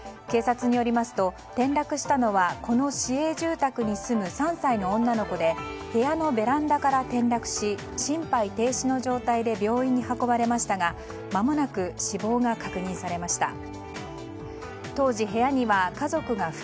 警察によりますと転落したのはこの市営住宅に住む３歳の女の子で部屋のベランダから転落し心肺停止の状態で病院に運ばれましたがまもなく死亡が確認されました。